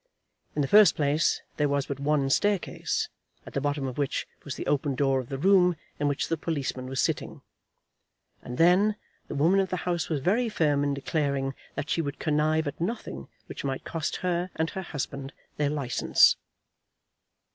In the first place there was but one staircase, at the bottom of which was the open door of the room in which the policeman was sitting; and then, the woman of the house was very firm in declaring that she would connive at nothing which might cost her and her husband their licence.